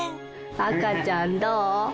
赤ちゃんどお？